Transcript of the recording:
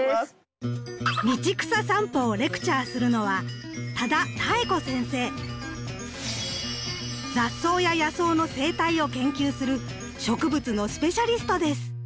「道草さんぽ」をレクチャーするのは雑草や野草の生態を研究する植物のスペシャリストです。